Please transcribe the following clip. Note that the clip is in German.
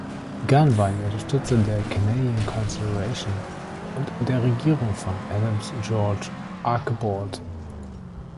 Gunn war ein Unterstützer der Canadian Confederation und der Regierung von Adams George Archibald.